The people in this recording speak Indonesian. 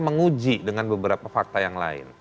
menguji dengan beberapa fakta yang lain